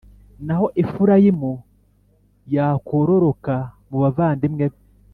Naho Efurayimu yakororoka mu bavandimwe be,